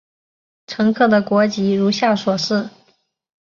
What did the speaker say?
乘客的国籍如下所示。